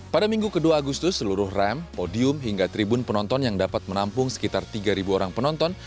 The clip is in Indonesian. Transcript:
pada minggu ke dua agustus seluruh rem podium hingga tribun penonton yang dapat menampung sekitar tiga orang penonton